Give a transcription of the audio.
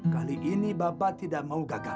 kali ini bapak tidak mau gagal